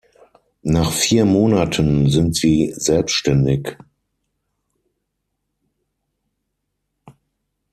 Nach vier Monaten sind sie selbständig.